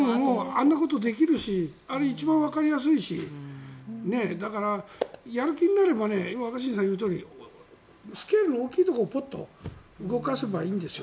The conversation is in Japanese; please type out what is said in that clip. あんなことできるしあれが一番わかりやすいしだから、やる気になれば若新さんが言うとおりスケールの大きいところをポッと動かせばいいんです。